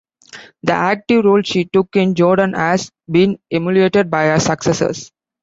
The active role she took in Jordan has been emulated by her successors.